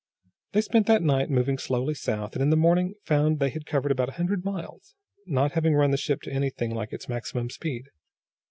They spent that night moving slowly south, and in the morning found they had covered about a hundred miles, not having run the ship to anything like its maximum speed.